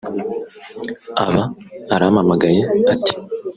aba arampamagaye ati